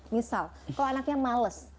misal kalau anaknya males